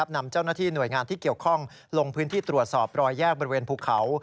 นำเจ้าหน้าที่หน่วยงานที่เกี่ยวข้องลงพื้นที่ตรวจสอบรอยแยกบริเวณภูเขา